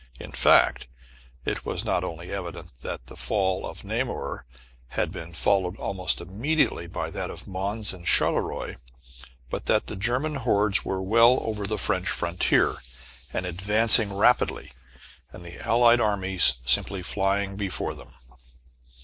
In fact it was not only evident that the fall of Namur had been followed almost immediately by that of Mons and Charleroi, but that the German hordes were well over the French frontier, and advancing rapidly, and the Allied armies simply flying before them.